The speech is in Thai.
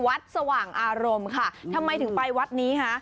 สว่างอารมณ์ค่ะทำไมถึงไปวัดนี้คะ